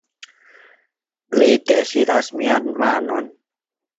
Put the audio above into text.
Li deziras mian manon.